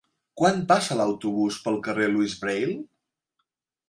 Quan passa l'autobús pel carrer Louis Braille?